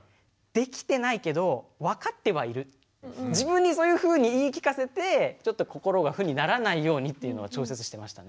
自分にそういうふうに言い聞かせてちょっと心が負にならないようにっていうのは調節してましたね。